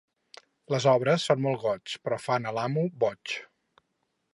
Les obres fan molt goig, però fan a l'amo boig.